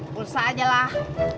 full saja lah